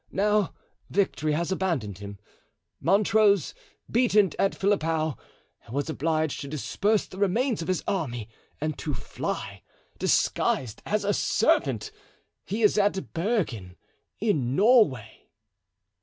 Now victory has abandoned him. Montrose, beaten at Philiphaugh, was obliged to disperse the remains of his army and to fly, disguised as a servant. He is at Bergen, in Norway."